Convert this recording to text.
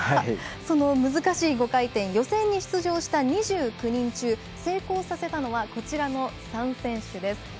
その難しい５回転予選に出場した２９人中成功させたのは３選手です。